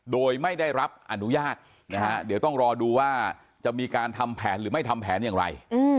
โดยไม่ได้รับอนุญาตนะฮะเดี๋ยวต้องรอดูว่าจะมีการทำแผนหรือไม่ทำแผนอย่างไร